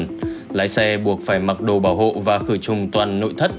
trong tuần lái xe buộc phải mặc đồ bảo hộ và khử trùng toàn nội thất